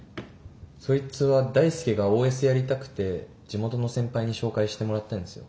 そいつは大輔がＯＳやりたくて地元の先輩に紹介してもらったんですよ。